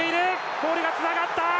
ボールがつながった。